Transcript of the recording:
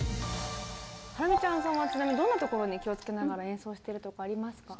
ハラミちゃんさんはちなみにどんなところに気をつけながら演奏してるとかありますか？